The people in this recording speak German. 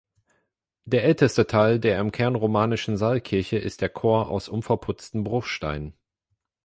Der älteste Teil der im Kern romanischen Saalkirche ist der Chor aus unverputzten Bruchsteinen.